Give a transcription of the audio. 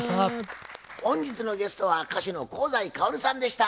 本日のゲストは歌手の香西かおりさんでした。